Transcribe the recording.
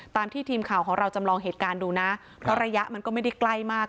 ตามที่ทีมข่าวของเราจำลองเหตุการณ์ดูนะเพราะระยะมันก็ไม่ได้ใกล้มาก